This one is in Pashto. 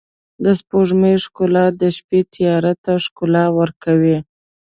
د سپوږمۍ ښکلا د شپې تیاره ته ښکلا ورکوي.